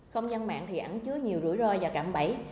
không gian mạng thì ảnh chứa nhiều rủi ro và cạm bẫy